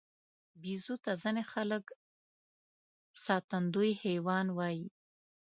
بیزو ته ځینې خلک ساتندوی حیوان وایي.